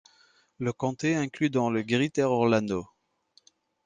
Le comté est inclus dans le Greater Orlando.